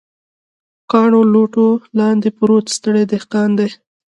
کاڼو، لوټو لاندې پروت ستړی دهقان دی